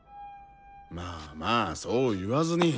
まあまあそう言わずに。